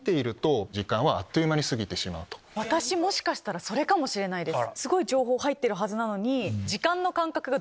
私もしかしたらそれかもしれないです。